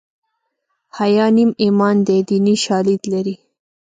حیا نیم ایمان دی دیني شالید لري